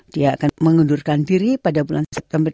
dia akan mengundurkan diri pada bulan september